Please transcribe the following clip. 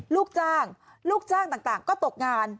ลูกจ้างลูกจ้างต่างก็ตกงาน